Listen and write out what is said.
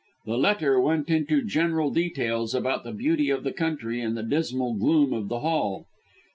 The letter went into general details about the beauty of the country and the dismal gloom of the Hall.